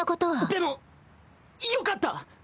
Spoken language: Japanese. でもよかった！